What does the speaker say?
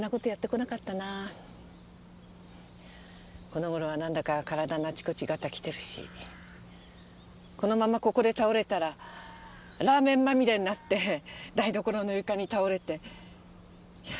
この頃はなんだか体のあちこちガタきてるしこのままここで倒れたらラーメンまみれになって台所の床に倒れて。